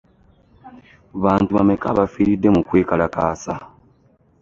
Bantu bameka abafiride mu kwekalakaasa?